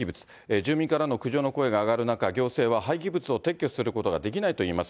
住民からの苦情の声が上がる中、行政は廃棄物を撤去することができないといいます。